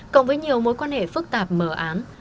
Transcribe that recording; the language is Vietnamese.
cộng với nhiều mối quan hệ phức tạp mở án